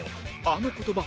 あの言葉